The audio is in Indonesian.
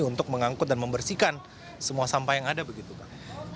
untuk mengangkut dan membersihkan semua sampah yang ada begitu pak